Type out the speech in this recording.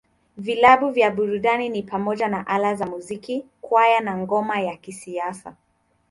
Vilabu vya burudani ni pamoja na Ala za Muziki, Kwaya, na Ngoma ya Kisasa.